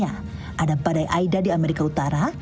ada badai aida di amerika utara